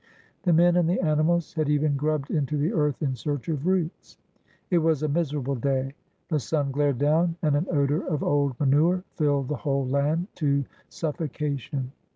The men and the animals had even grubbed into the earth in search of roots. It was a miserable day. The sun glared down, and an odor of old manure filled the whole land to suffocation.